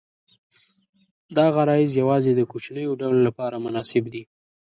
دا غرایز یواځې د کوچنیو ډلو لپاره مناسب دي.